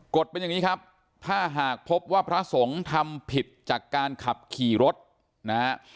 ฎเป็นอย่างนี้ครับถ้าหากพบว่าพระสงฆ์ทำผิดจากการขับขี่รถนะฮะ